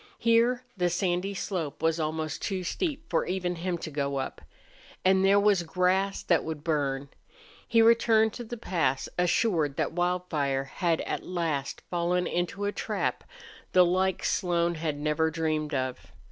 Here the sandy slope was almost too steep for even him to go up. And there was grass that would burn. He returned to the pass assured that Wildfire had at last fallen into a trap the like Slone had never dreamed of.